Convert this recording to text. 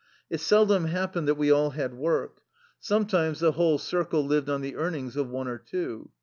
It seldom happened that we all had work; sometimes the whole cir cle lived on the earnings of one or two.